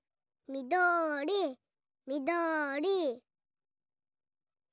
みどりみどり。